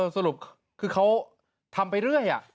สรุปคือเขาทำไปเรื่อย